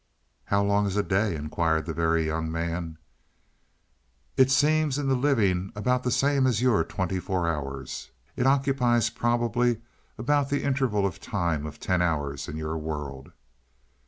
"How long is a day?" inquired the Very Young Man. "It seems in the living about the same as your twenty four hours; it occupies probably about the interval of time of ten hours in your world.